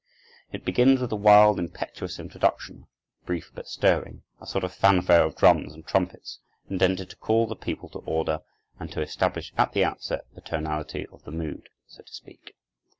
It begins with a wild, impetuous introduction, brief but stirring, a sort of fanfare of drums and trumpets, intended to call the people to order and to establish at the outset the tonality of the mood, so to speak.